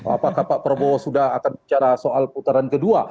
apakah pak prabowo sudah akan bicara soal putaran kedua